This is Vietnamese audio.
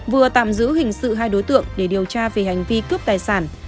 vừa tạm giữ hình sự hai đối tượng để điều tra về hành vi cướp tài sản